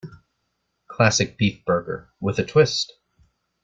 Classic beef burger, with a twist.